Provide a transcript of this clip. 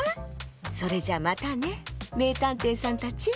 それじゃまたねめいたんていさんたち。